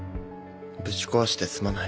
ぶち壊してすまない。